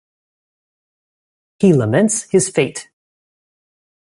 He laments his fate.